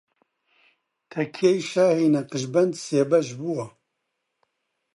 تەکیەی شاهی نەقشبەند سێ بەش بووە